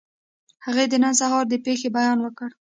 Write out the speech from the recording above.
هغې د نن سهار د پېښې بیان وکړ